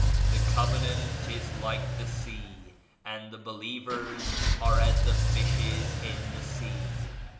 The Covenant is like the sea and the believers are as the fishes in the sea.